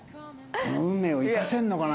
この運命を生かせるのかな？